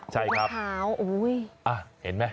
ใช่ไหมไส้กล้วยหรือเกา